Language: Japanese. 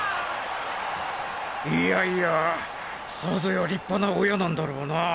いやいやさぞや立派な親なんだろうなァ。